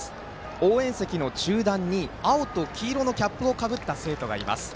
応援席の中段に青と黄色のキャップをかぶった生徒がいます。